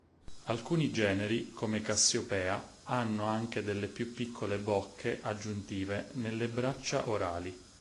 Alcuni generi, come "Cassiopea", hanno anche delle più piccole bocche aggiuntive nelle braccia orali.